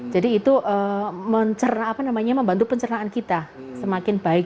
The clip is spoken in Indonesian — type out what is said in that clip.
jadi itu membantu pencernaan kita semakin baik